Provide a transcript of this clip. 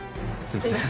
すいません。